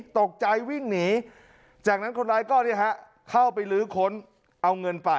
ตกใจวิ่งหนีจากนั้นคนร้ายก็เข้าไปลื้อค้นเอาเงินไป